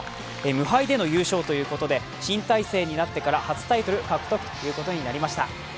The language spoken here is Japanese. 無敗での優勝ということで新体制になってから初タイトル獲得ということになりました。